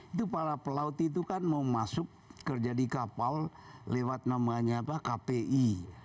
itu para pelaut itu kan mau masuk kerja di kapal lewat namanya kpi